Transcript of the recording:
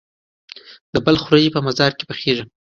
د بلخ وریجې په مزار کې پخیږي.